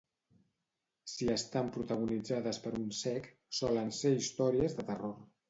Si estan protagonitzades per un cec, solen ser històries de terror.